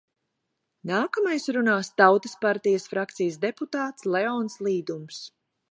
Nākamais runās Tautas partijas frakcijas deputāts Leons Līdums.